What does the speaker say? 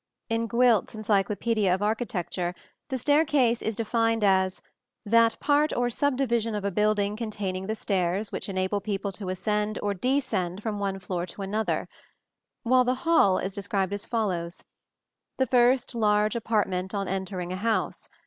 In Gwilt's Encyclopedia of Architecture the staircase is defined as "that part or subdivision of a building containing the stairs which enable people to ascend or descend from one floor to another"; while the hall is described as follows: "The first large apartment on entering a house....